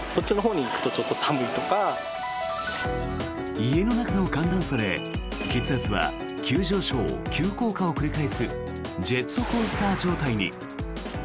家の中の寒暖差で血圧は急上昇・急降下を繰り返すジェットコースター状態に。